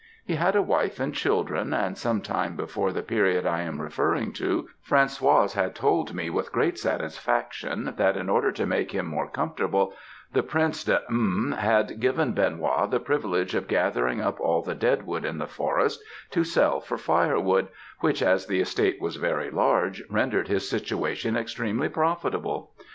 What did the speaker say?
He had a wife and children; and some time before the period I am referring to, Françoise had told me, with great satisfaction, that in order to make him more comfortable, the Prince de M had given Benoît the privilege of gathering up all the dead wood in the forest to sell for firewood, which, as the estate was very large, rendered his situation extremely profitable.